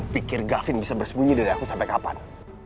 kira kira gavin bisa bersembunyi dari aku sampai kapan